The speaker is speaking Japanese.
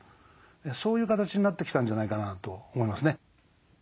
そういう形になってきたんじゃないかなと思いますね。